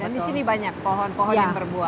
dan di sini banyak pohon pohon yang berbuah